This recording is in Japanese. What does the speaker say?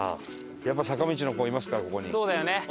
やっぱ坂道の子いますからここに。